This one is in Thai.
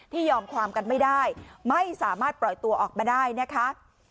ยอมความกันไม่ได้ไม่สามารถปล่อยตัวออกมาได้นะคะ